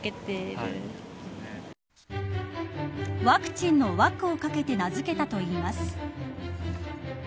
ワクチンのワクをかけて名付けたといいます。